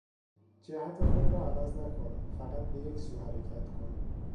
جهت خود را عوض نکن، فقط به یک سو حرکت کن.